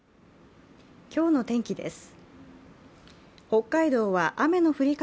今日の天気です。